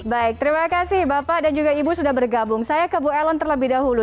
baik terima kasih bapak dan juga ibu sudah bergabung saya ke bu ellen terlebih dahulu